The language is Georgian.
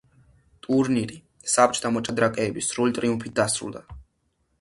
ტურნირი საბჭოთა მოჭადრაკეების სრული ტრიუმფით დასრულდა.